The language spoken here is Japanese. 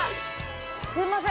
すいません。